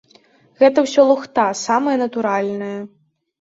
Гэта ўсё лухта самая натуральная.